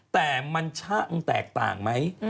แต่มันช่างแตกต่างไหม